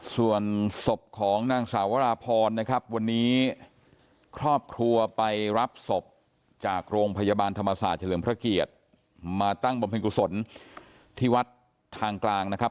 ส่วนศพของนางสาวราพรนะครับวันนี้ครอบครัวไปรับศพจากโรงพยาบาลธรรมศาสตร์เฉลิมพระเกียรติมาตั้งบำเพ็ญกุศลที่วัดทางกลางนะครับ